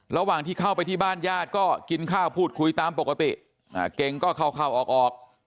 ระหว่างที่เข้าไปที่บ้านญาติก็กินข้าวพูดคุยตามปกติเก่งก็เข้าเข้าออก